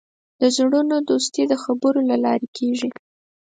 د زړونو دوستي د خبرو له لارې کېږي.